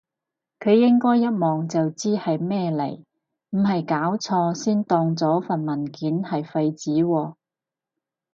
佢應該一望就知係咩嚟，唔係搞錯先當咗份文件係廢紙喎？